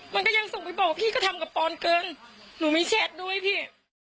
มันก็ยังส่งไปบอกพี่ก็ทำกับปอนเกินหนูมีแชทด้วยพี่